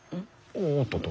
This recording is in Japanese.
おっとっと。